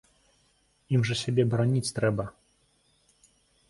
Ім жа сябе бараніць трэба!